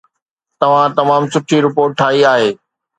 توهان تمام سٺي رپورٽ ٺاهي آهي